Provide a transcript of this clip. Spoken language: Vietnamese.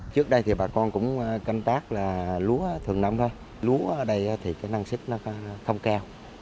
trước đây thì bà con cũng canh tác là lúa thường năm thôi lúa ở đây thì cái năng sức nó không cao